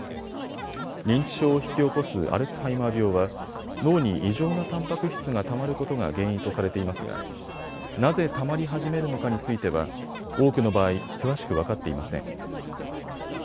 認知症を引き起こすアルツハイマー病は脳に異常なたんぱく質がたまることが原因とされていますがなぜたまり始めるのかについては多くの場合詳しく分かっていません。